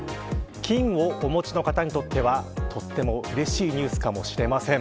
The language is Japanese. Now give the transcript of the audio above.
金をお持ちの方にとってはとってもうれしいニュースかもしれません。